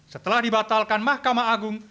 setelah dibatalkan mahkamah agung